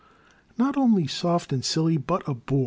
" Not only soft and silly, but a boor.